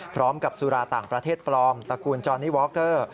สุราต่างประเทศปลอมตระกูลจอนี่วอคเกอร์